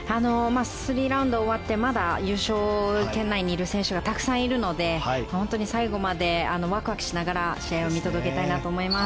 ３ラウンド終わってまだ優勝圏内にいる選手がたくさんいるので、最後までワクワクしながら試合を見届けたいなと思います。